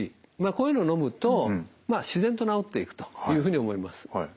こういうのを飲むと自然と治っていくというふうに思います。